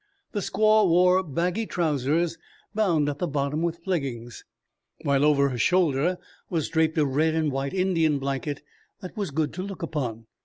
The squaw wore baggy trousers bound at the bottom with leggings, while over her shoulder was draped a red and white Indian blanket that was good to look upon.